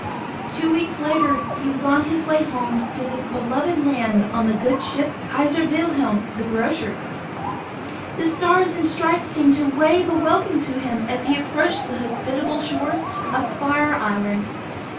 Two weeks later he was on his way home to his beloved land on the good ship "Kaiser Wilhelm, the Grocer." The Stars and Stripes seemed to wave a welcome to him as he approached the hospitable shores of Fire Island.